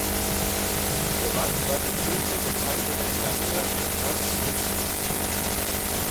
Geweiht war die Kirche den Heiligen Maria, Pankratius und Anna.